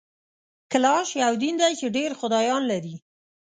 کلاش یو دین دی چي ډېر خدایان لري